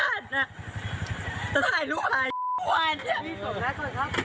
มันคงอัดอันมาหลายเรื่องนะมันเลยระเบิดออกมามีทั้งคำสลัดอะไรทั้งเต็มไปหมดเลยฮะ